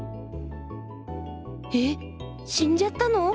えっ死んじゃったの？